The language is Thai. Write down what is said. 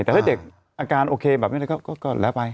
แต่ถ้าเด็กอาการโอเคแบบนี้ก็แล้วไป